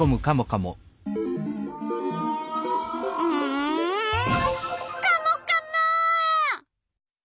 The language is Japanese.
んカモカモッ！